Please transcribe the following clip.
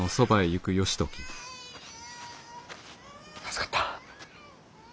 助かった。